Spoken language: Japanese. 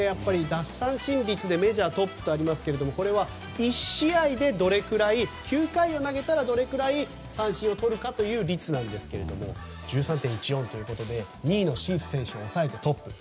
奪三振率でメジャートップとありますがこれは１試合でどれくらい９回を投げたらどれくらい三振をとるかという率なんですけども１３．１４ということで２位のシース選手を抑えてトップ。